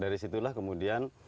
dari situlah kemudian